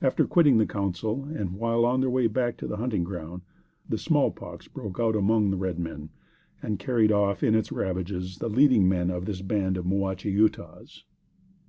After quitting the council, and while on their way back to their hunting ground, the small pox broke out among the red men, and carried off, in its ravages, the leading men of this band of Muache Utahs.